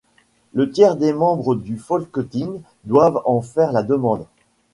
Le tiers des membres du Folketing doivent en faire la demande.